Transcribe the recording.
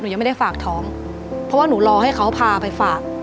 ยังไม่ได้ฝากท้องเพราะว่าหนูรอให้เขาพาไปฝาก